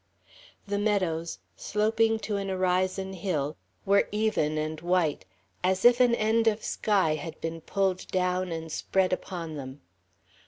The meadows, sloping to an horizon hill, were even and white, as if an end of sky had been pulled down and spread upon them.